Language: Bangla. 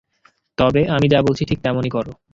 তবে, আমি যা বলছি ঠিক তেমনই করো।